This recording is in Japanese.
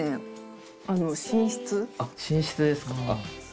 あっ寝室ですか？